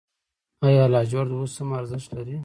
آیا لاجورد اوس هم ارزښت لري؟